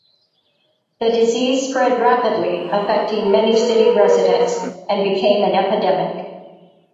The disease spread rapidly affecting many city residents and became an epidemic.